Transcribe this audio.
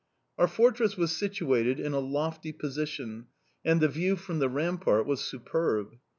"Our fortress was situated in a lofty position, and the view from the rampart was superb.